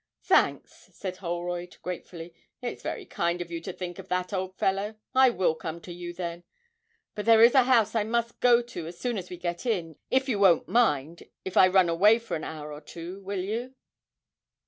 'Thanks,' said Holroyd gratefully; 'it's very kind of you to think of that, old fellow; I will come to you, then but there is a house I must go to as soon as we get in: you won't mind if I run away for an hour or two, will you?'